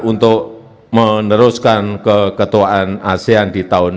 untuk meneruskan keketuaan asean di tahun dua ribu dua puluh